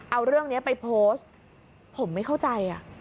เอาเรื่องนี้ไปโพสต์ผมไม่เข้าใจ